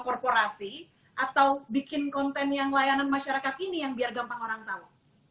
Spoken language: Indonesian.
korporasi atau bikin konten yang layanan masyarakat ini yang biar gampang orang tahu